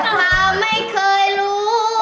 เข่าไม่เคยรู้